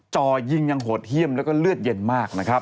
จ่อยิงยังโหดเยี่ยมแล้วก็เลือดเย็นมากนะครับ